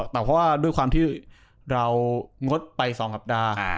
แต่ว่าด้วยความที่เรางดไป๒สัปดาห์